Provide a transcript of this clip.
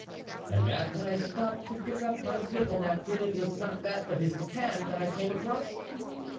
" And that when I stooped to pick up my table napkin, it was not that, but his hand, that I came across."